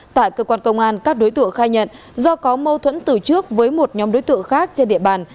tại cơ quan công an các đối tượng khai nhận do có mâu thuẫn từ trước với một nhóm đối tượng khác trên địa bàn